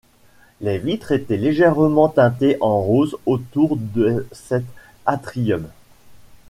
Les vitres étaient légèrement teintées en rose autour de cet atrium.